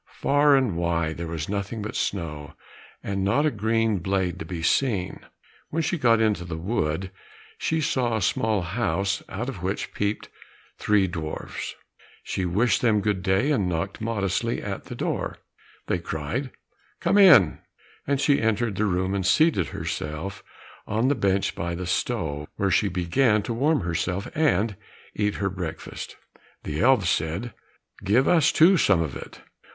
Far and wide there was nothing but snow, and not a green blade to be seen. When she got into the wood she saw a small house out of which peeped three dwarfs. She wished them good day, and knocked modestly at the door. They cried, "Come in," and she entered the room and seated herself on the bench by the stove, where she began to warm herself and eat her breakfast. The elves said, "Give us, too, some of it."